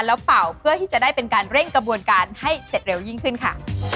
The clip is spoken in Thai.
แล้วเป่าเพื่อที่จะได้เป็นการเร่งกระบวนการให้เสร็จเร็วยิ่งขึ้นค่ะ